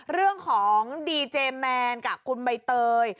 เรื่องของดีเจแมนกับคุณใบเตย